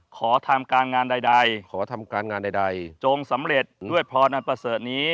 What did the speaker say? ขอทำการงานใดจงสำเร็จด้วยพรรณประเสริฐนี้